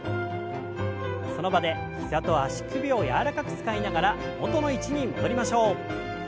その場で膝と足首を柔らかく使いながら元の位置に戻りましょう。